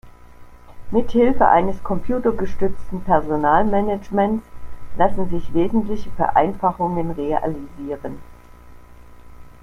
Mit Hilfe eines computergestützten Personalmanagements lassen sich wesentliche Vereinfachungen realisieren.